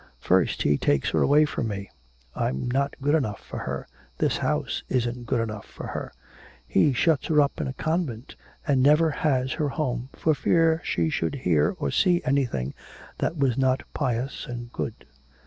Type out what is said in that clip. First he takes her away from me I'm not good enough for her, this house isn't good enough for her; he shuts her up in a convent, and never has her home for fear she should hear or see anything that was not pious and good.